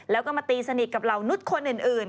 แล้วก็มาตีสนิทกับเหล่านุษย์คนอื่น